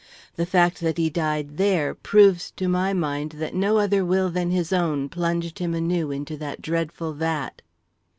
The fact that he died there, proves to my mind that no other will than his own plunged him anew into that dreadful vat."